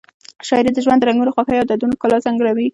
شاعري د ژوند د رنګونو، خوښیو او دردونو ښکلا څرګندوي.